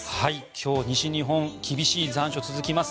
今日、西日本厳しい残暑、続きます。